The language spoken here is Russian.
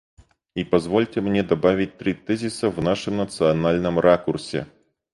И позвольте мне добавить три тезиса в нашем национальном ракурсе.